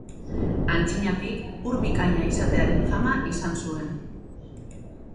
Aintzinatik ur bikaina izatearen fama izan zuen.